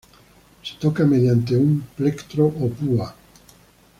Se toca mediante un plectro o púa.